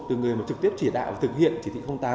từ người trực tiếp chỉ đạo và thực hiện chỉ thị tám